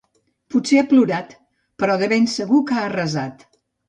Potser ha plorat; però de ben segur que ha resat.